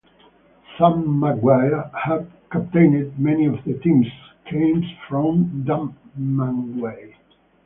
Sam Maguire, who captained many of the teams, came from Dunmanway.